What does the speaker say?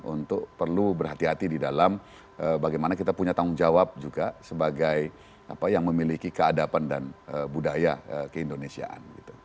untuk perlu berhati hati di dalam bagaimana kita punya tanggung jawab juga sebagai yang memiliki keadapan dan budaya keindonesiaan